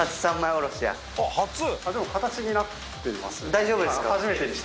大丈夫ですか？